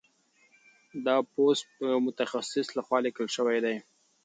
دا پوسټ د یو متخصص لخوا لیکل شوی دی.